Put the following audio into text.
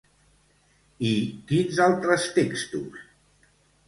I quins altres textos?